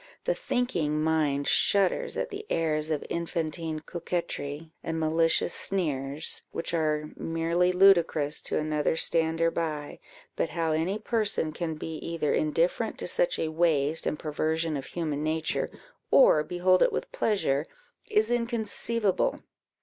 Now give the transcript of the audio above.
The thinking mind shudders at the airs of infantine coquetry and malicious sneers, which are merely ludicrous to another stander by; but how any person can be either indifferent to such a waste and perversion of human nature, or behold it with pleasure, is inconceivable.